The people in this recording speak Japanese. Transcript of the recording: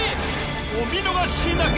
お見逃しなく